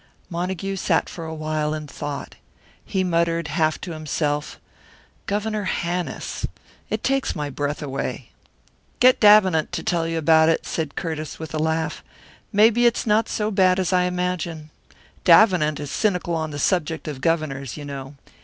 Montague sat for a while in thought. He muttered, half to himself, "Governor Hannis! It takes my breath away!" "Get Davenant to tell you about it," said Curtiss, with a laugh. "Maybe it's not so bad as I imagine. Davenant is cynical on the subject of governors, you know.